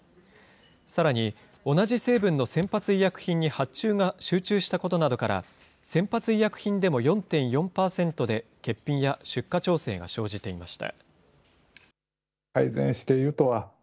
さらに、同じ成分の先発医薬品に発注が集中したことなどから先発医薬品でも４．４％で欠品や出荷調整が生じていました。